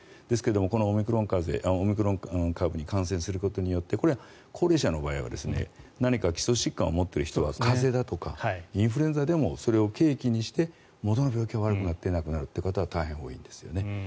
ですけどもこのオミクロン株に感染することによってこれは高齢者の場合は何か基礎疾患を持っている人は風邪だとかインフルエンザでもそれを契機にして元々の病気が悪くなって亡くなるという方が大変多いんですよね。